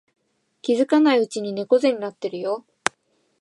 気づかないうちに猫背になってるよ